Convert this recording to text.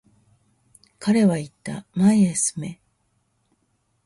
彼は言った、前へ進め。